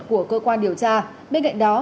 của cơ quan điều tra bên cạnh đó